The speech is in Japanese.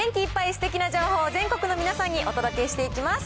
すてきな情報を全国の皆さんにお届けしていきます。